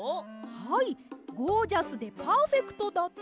はいゴージャスでパーフェクトだって。